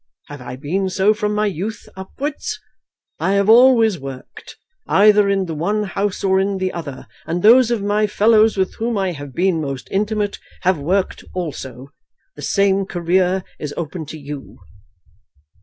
Have I been so from my youth upwards? I have always worked, either in the one House or in the other, and those of my fellows with whom I have been most intimate have worked also. The same career is open to you."